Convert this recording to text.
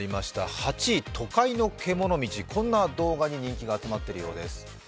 ８位、都会の獣道、こんな動画に人気が集まっているようです。